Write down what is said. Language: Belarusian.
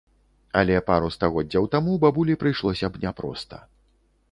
Але пару стагоддзяў таму бабулі прыйшлося б няпроста.